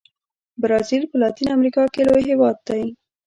برازیل په لاتین امریکا کې لوی هېواد دی.